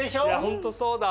ホントそうだ。